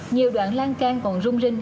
nhiều đoạn lan can còn rung rinh